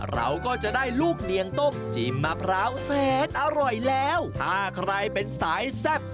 เราก็จะได้ลูกเดียงต้มจิ้มมะพร้าวแสนอร่อยแล้วถ้าใครเป็นสายแซ่บ